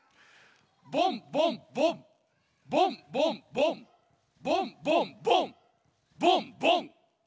ボンボンボンボンボンボンボンボンボンボンボン。